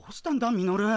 ミノル。